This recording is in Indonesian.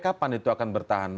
kapan itu akan bertahan